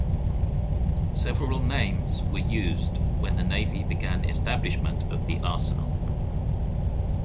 Several names were used when the navy began establishment of the arsenal.